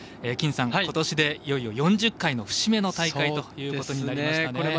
金さん、ことしでいよいよ４０回の節目の大会となりましたね。